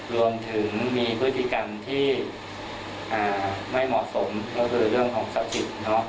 รวมถึงมีพฤษิกรรมที่ไม่เหมาะสมก็คือเรื่องของสถิต